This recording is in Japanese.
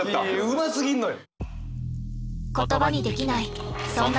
うますぎんのよ！